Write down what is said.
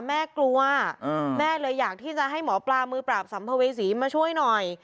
แม่กลัวแม่เลยอยากที่จะให้หมอปลามือปราบสัมภเวษีมาช่วยหน่อย